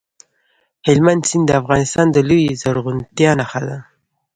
هلمند سیند د افغانستان د لویې زرغونتیا نښه ده.